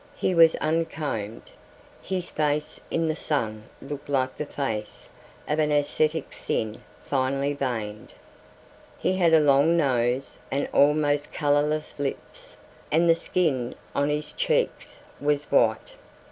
It was uncombed. His face in the sun looked like the face of an ascetic, thin, finely veined. He had a long nose and almost colorless lips and the skin on his cheeks was white.